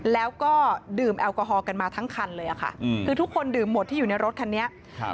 แล้วก็ดื่มแอลกอฮอลกันมาทั้งคันเลยอ่ะค่ะอืมคือทุกคนดื่มหมดที่อยู่ในรถคันนี้ครับ